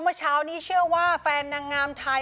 เมื่อเช้านี้เชื่อว่าแฟนนางงามไทย